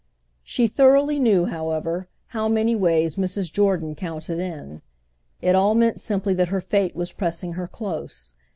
She thoroughly knew, however, how many ways Mrs. Jordan counted in. It all meant simply that her fate was pressing her close.